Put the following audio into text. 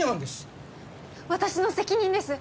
私の責任です！